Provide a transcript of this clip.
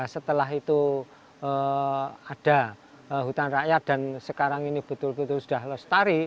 setelah itu ada hutan rakyat dan sekarang ini betul betul sudah lestari